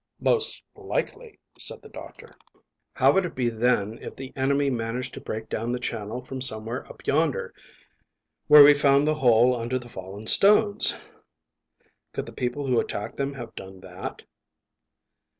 "Most likely," said the doctor. "How would it be then if the enemy managed to break down the channel from somewhere up yonder where we found the hole under the fallen stones? Could the people who attacked them have done that?"